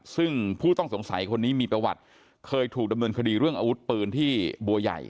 ซึ่งผู้ต้องสงสัยคนนี้มีประวัติเคยถูกดำเนินคดีเรื่องอาวุธปืนที่บัวใหญ่